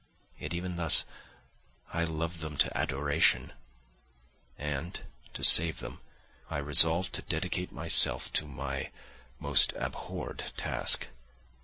Yet even thus I loved them to adoration; and to save them, I resolved to dedicate myself to my most abhorred task.